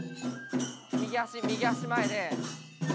右足右足前で右手。